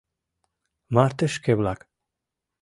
— Мартышке-влак!